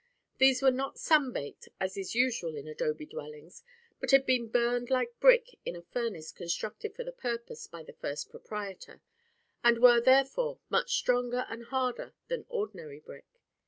These were not sun baked, as is usual in adobe dwellings, but had been burned like brick in a furnace constructed for the purpose by the first proprietor, and were therefore much stronger and harder than ordinary brick.